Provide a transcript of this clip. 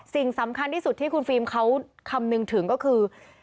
สิ่งสำคัญที่สุดที่คุณฟิล์มเขาคำนึงถึงก็คือ